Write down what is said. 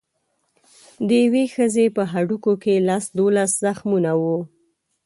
د یوې ښځې په هډوکو کې لس دولس زخمونه وو.